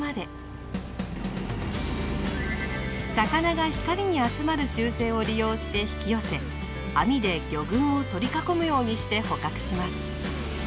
魚が光に集まる習性を利用して引き寄せ網で魚群をとり囲むようにして捕獲します。